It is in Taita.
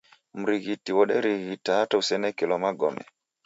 Mrighiti woderighita hata usenekelo magome.